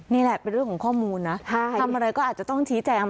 นี่แหละเป็นเรื่องของข้อมูลนะทำอะไรก็อาจจะต้องชี้แจง